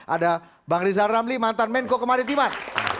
ada bang rizal ramli mantan menko kemaritiman